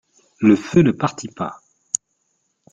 Le feu ne partit pas.